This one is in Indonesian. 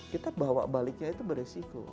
kita bawa baliknya itu beresiko